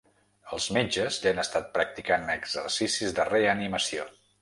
Els metges li han estat practicant exercicis de reanimació.